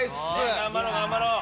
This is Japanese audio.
頑張ろう頑張ろう。